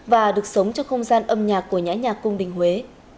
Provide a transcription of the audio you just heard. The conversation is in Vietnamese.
và được sống trong không gian âm nhạc của nhã nhạc cung đình huế